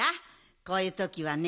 こういうときはね